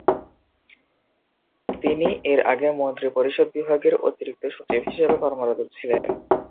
তিনি এর আগে মন্ত্রিপরিষদ বিভাগের অতিরিক্ত সচিব হিসেবে কর্মরত ছিলেন।